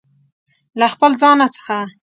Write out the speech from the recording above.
له خپل ځانه څخه